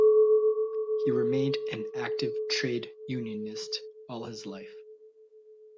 He remained an active trade unionist all his life.